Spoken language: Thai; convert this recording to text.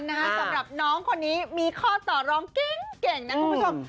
สำหรับน้องคนนี้มีข้อต่อร้องเก่งนะคุณผู้ชม